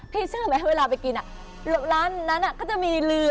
พี่เชื่อไหมเวลาไปกินน่ะร้านนั้นน่ะก็จะมีเรือ